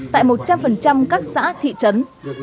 tại một trăm linh các xã thị trấn